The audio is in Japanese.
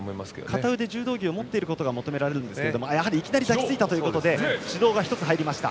片腕、柔道着を持っていることが求められますがいきなり抱きついたということで指導が１つ入りました。